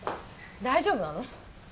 大丈夫なの？